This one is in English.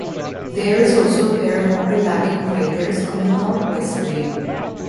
There is also a pair of overlapping craters on the northwest rim.